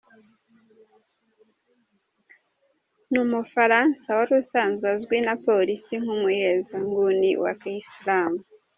Ni Umufaransa wari usanzwe azwi na polisi nk’umuhezanguni wa kiyisilamu.